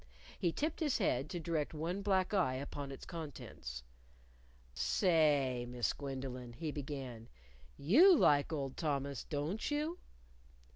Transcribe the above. He tipped his head to direct one black eye upon its contents. "Say, Miss Gwendolyn," he began, "you like old Thomas, don't you?"